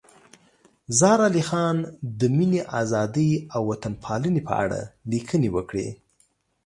زار علي خان د مینې، ازادۍ او وطن پالنې په اړه لیکنې وکړې.